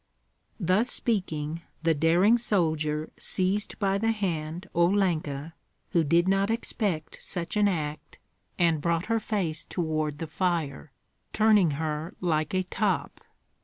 Thus speaking, the daring soldier seized by the hand Olenka, who did not expect such an act, and brought her face toward the fire, turning her like a top.